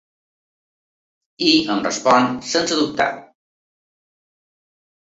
I em respon sense dubtar.